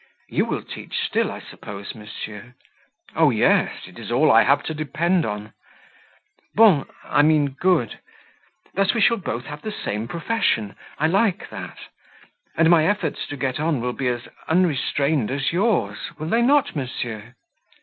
You will teach still, I suppose, monsieur?" "Oh, yes! It is all I have to depend on." "Bon! I mean good. Thus we shall have both the same profession. I like that; and my efforts to get on will be as unrestrained as yours will they not, monsieur?"